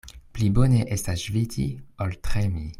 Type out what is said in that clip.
Pli bone estas ŝviti, ol tremi.